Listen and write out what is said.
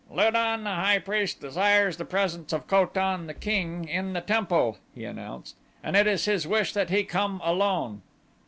"Lu don, the high priest, desires the presence of Ko tan, the king, in the temple," he announced, "and it is his wish that he come alone."